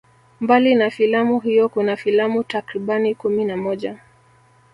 Mbali na filamu hiyo kuna filamu takribani kumi na moja